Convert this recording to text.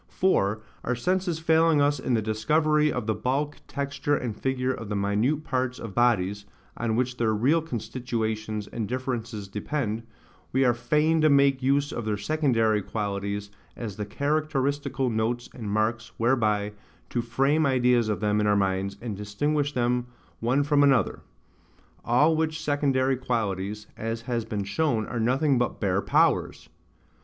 For, our senses failing us in the discovery of the bulk, texture, and figure of the minute parts of bodies, on which their real constitutions and differences depend, we are fain to make use of their secondary qualities as the characteristical notes and marks whereby to frame ideas of them in our minds, and distinguish them one from another: all which secondary qualities, as has been shown, are nothing but bare powers.